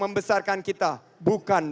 membesarkan kita bukan